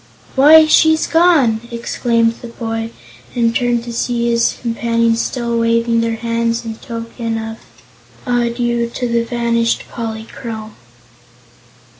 "Why, she's gone!" exclaimed the boy, and turned to see his companions still waving their hands in token of adieu to the vanished Polychrome.